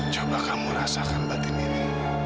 coba kamu rasakan batin ini